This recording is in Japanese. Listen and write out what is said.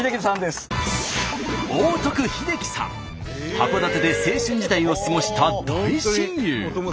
函館で青春時代を過ごした大親友。